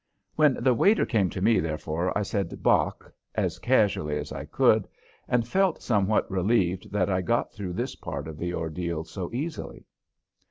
When the waiter came to me, therefore, I said "Bock" as casually as I could, and felt somewhat relieved that I got through this part of the ordeal so easily.